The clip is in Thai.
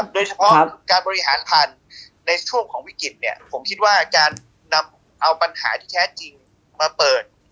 โดยเฉพาะการบริหารผ่านในช่วงของวิกฤตเนี่ยผมคิดว่าการนำเอาปัญหาที่แท้จริงมาเปิด